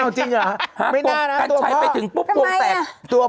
เอ้าจริงหรือฮะปุ๊บกัญชัยไปถึงปุ๊บวงแตกไม่น่านะตัวพ่อ